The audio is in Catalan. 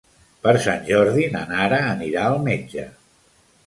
Per Sant Jordi na Nara anirà al metge.